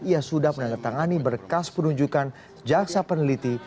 ia sudah menanggat tangani berkas penunjukan jaksa peneliti